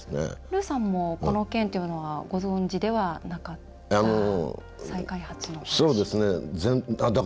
ルーさんもこの件っていうのはご存じではなかった？